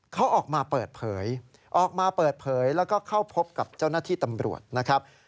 เขาออกมาเปิดเผยแล้วก็เข้าพบกับเจ้าหน้าที่ตำรวจนะครับ